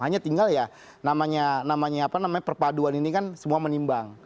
hanya tinggal ya namanya perpaduan ini kan semua menimbang